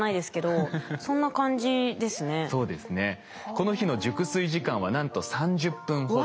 この日の熟睡時間はなんと３０分ほど。